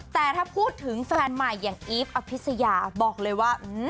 แต่ถ้าพูดถึงแฟนใหม่อย่างอีฟอภิษยาบอกเลยว่า